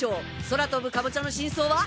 空飛ぶカボチャの真相は？